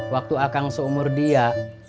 waktu akang seumur dia